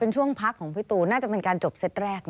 ช่วงพักของพี่ตูนน่าจะเป็นการจบเซตแรก